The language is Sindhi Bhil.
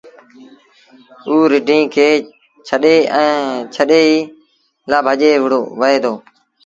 اوٚ رڍينٚ کي ڇڏي ايٚئي لآ ڀڄي وهي دو